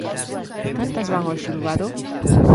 Cantas van ao xulgado?